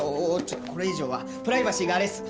ちょっとこれ以上はプライバシーがあれっす！